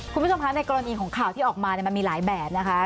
คุณผู้ชมคะในกรณีของข่าวที่ออกมามันมีหลายแบบนะคะ